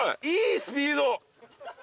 いいスピード。